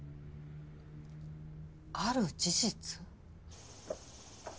ある事実？